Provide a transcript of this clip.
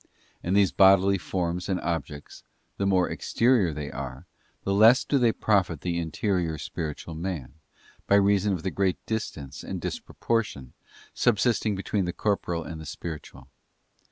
And these bodily forms and objects, the more exterior they are, the less do they profit the interior spiritual man, by reason of the great distance and disproportion subsisting between the corporeal and the spiritual.